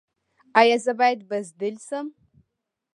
ایا زه باید بزدل شم؟